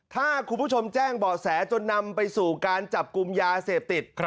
ถ้าคุณผู้ชมแจ้งเบาะแสจนนำไปสู่การจับกลุ่มยาเสพติด